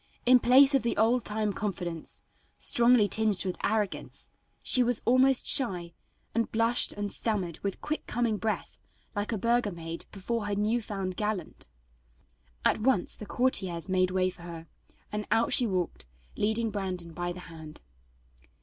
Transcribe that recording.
In place of the old time confidence, strongly tinged with arrogance, she was almost shy, and blushed and stammered with quick coming breath, like a burgher maid before her new found gallant. At once the courtiers made way for her, and out she walked, leading Brandon by the hand.